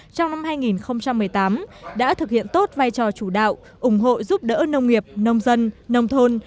trong năm hai nghìn một mươi tám đã thực hiện tốt vai trò chủ đạo ủng hộ giúp đỡ nông nghiệp nông dân nông thôn